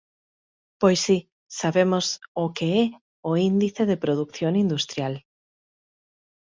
Pois si, sabemos o que é o índice de produción industrial.